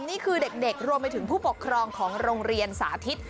นี่คือเด็กรวมไปถึงผู้ปกครองของโรงเรียนสาธิต